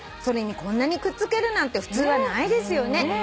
「それにこんなにくっつけるなんて普通はないですよね。